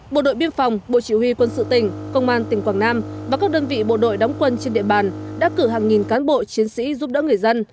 bộ đội biên phòng bộ chỉ huy quân sự tỉnh công an tỉnh quảng nam và các đơn vị bộ đội đóng quân trên địa bàn đã cử hàng nghìn cán bộ chiến sĩ giúp đỡ người dân